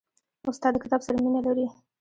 استاد د کتاب سره مینه لري.